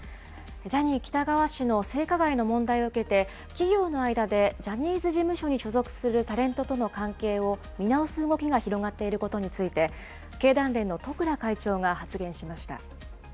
ジャニー喜多川氏の性加害の問題を受けて、企業の間でジャニーズ事務所に所属するタレントとの関係を見直す動きが広がっていることについて、経団連の十倉会長が発言しました。